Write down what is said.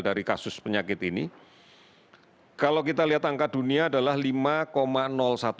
dari kasus penyakit ini kalau kita lihat angka dunia adalah lima satu persen